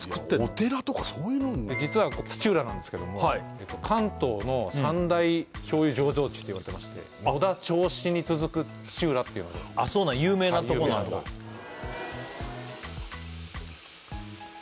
お寺とかそういう実は土浦なんですけども関東の三大醤油醸造地っていわれてまして野田・銚子に続く土浦っていうので有名なとこなんだ有名なとこですあ